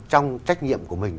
trong trách nhiệm của mình